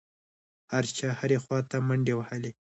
هر چا هرې خوا ته منډې وهلې.